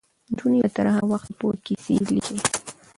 نجونې به تر هغه وخته پورې کیسې لیکي.